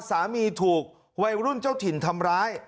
สามีถูกวัยรุ่นเจ้าถิ่นทำร้าย